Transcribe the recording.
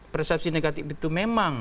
persepsi negatif itu memang